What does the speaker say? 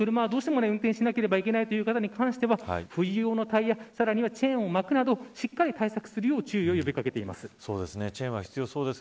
車は、どうしても運転しなければいけないという方はさらにはチェーンを巻くなどしっかり対策するように注意を呼び掛けています。